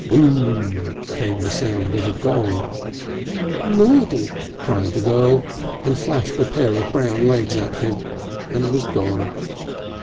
"Boom!" came the sound of a gong. "Lordy!" cried the girl and flashed a pair of brown legs at him and was gone.